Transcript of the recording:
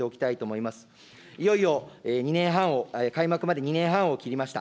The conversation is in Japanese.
いよいよ２年半を、開幕まで２年半を切りました。